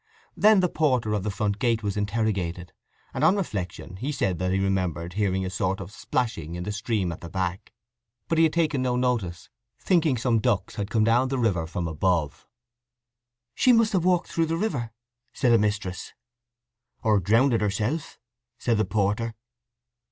Then the porter of the front gate was interrogated, and on reflection he said that he remembered hearing a sort of splashing in the stream at the back, but he had taken no notice, thinking some ducks had come down the river from above. "She must have walked through the river!" said a mistress. "Or drownded herself," said the porter.